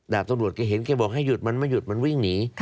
ดาบตำรวจแกเห็นแกบอกให้หยุดมันไม่หยุดมันวิ่งหนี